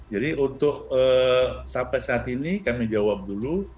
jadi untuk sampai saat ini kami jawab dulu